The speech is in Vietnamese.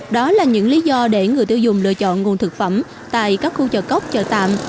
đó là những lý do để người tiêu dùng lựa chọn nguồn thực phẩm tại các khu chợ cóc chợ tạm